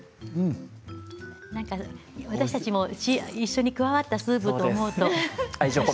私たちも一緒に加わったスープと思うと。